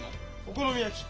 お好み焼き。